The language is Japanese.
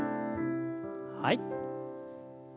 はい。